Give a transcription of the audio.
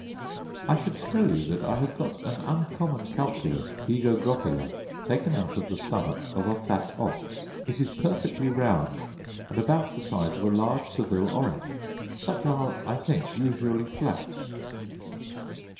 I should tell you that I have got an uncommon calculus aegogropila, taken out of the stomach of a fat ox; it is perfectly round, and about the size of a large Seville orange; such are, I think, usually flat.